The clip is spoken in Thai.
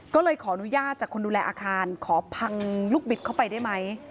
ก็เลยขออนุญาตจากคนดูแลอาคารขอพังลูกบิดเข้าไปได้ไหม